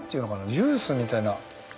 ジュースみたいな。